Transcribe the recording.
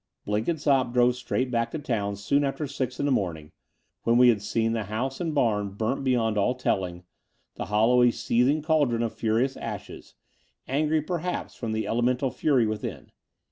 Blenkinsopp drove straight back to town soon after six in the morning, when we had seen the house and barn burnt beyond all telling, the hollow a seething cauldron of furious ashes — ^angry per haps, from the elemental fury within.